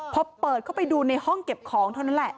พอเปิดเข้าไปดูในห้องเก็บของเท่านั้นแหละ